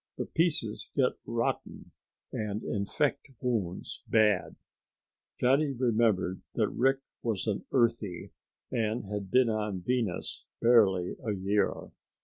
The pieces get rotten and infect wounds bad." Johnny remembered that Rick was an Earthie and had been on Venus barely a year.